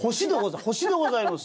星でございます！